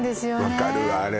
分かるわあれ